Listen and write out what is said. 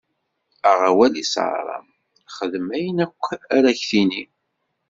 Aɣ awal i Ṣara, xdem ayen akk ara k-d-tini.